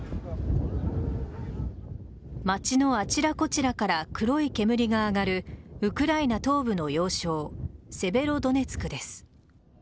街のあちらこちらから黒い煙が上がるウクライナ東部の要衝セベロドネツクです。